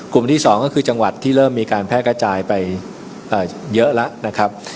ที่๒ก็คือจังหวัดที่เริ่มมีการแพร่กระจายไปเยอะแล้วนะครับ